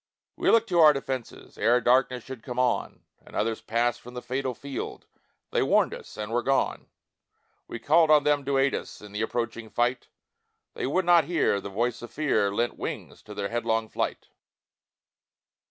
We looked to our defences Ere darkness should come on, And others passed from the fatal field, They warned us, and were gone; We called on them to aid us In the approaching fight They would not hear the voice of fear Lent wings to their headlong flight.